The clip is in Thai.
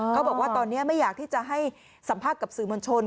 เขาบอกว่าตอนนี้ไม่อยากที่จะให้สัมภาษณ์กับสื่อมวลชน